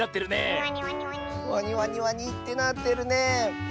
「ワニワニワニ」ってなってるね！